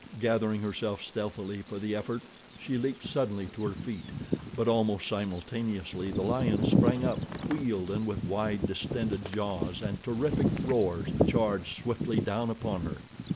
Gathering herself stealthily for the effort, she leaped suddenly to her feet, but almost simultaneously the lion sprang up, wheeled and with wide distended jaws and terrific roars, charged swiftly down upon her.